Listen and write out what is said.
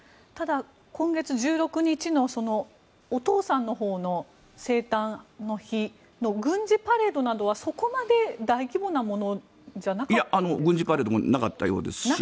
ただ、今月１６日のお父さんのほうの生誕の日の軍事パレードなどはそこまで大規模なものじゃなかったのでは。